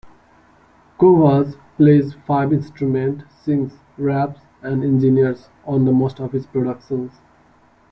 Kovas plays five instruments, sings, raps and engineers on most of his productions.